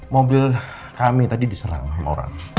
mobil kami tadi diserang sama orang